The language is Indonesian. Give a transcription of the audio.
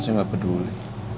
saya gak peduli